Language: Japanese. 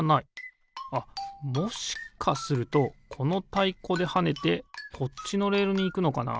あっもしかするとこのたいこではねてこっちのレールにいくのかな？